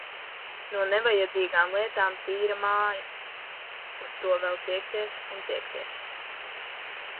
No nevajadzīgām lietām tīra māja—uz to vēl tiekties un tiekties.